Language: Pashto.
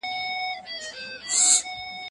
د حج دپاره تاسي باید خپلي پوهني نوري هم زیاتي کړئ.